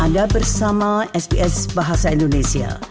anda bersama sps bahasa indonesia